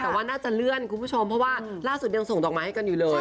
แต่ว่าน่าจะเลื่อนคุณผู้ชมเพราะว่าล่าสุดยังส่งดอกไม้ให้กันอยู่เลย